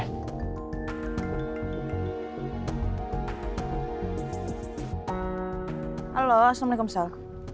halo assalamualaikum sal